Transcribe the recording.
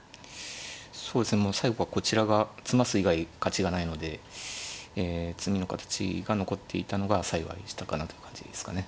そうですねもう最後はこちらが詰ます以外勝ちがないのでえ詰みの形が残っていたのが幸いしたかなという感じですかね。